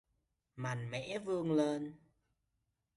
mạnh mẽ vươn lên